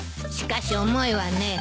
しかし重いわね。